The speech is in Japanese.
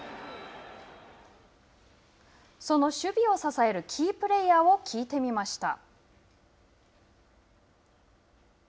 その守備を支えるキープレーヤーを聞いてみました。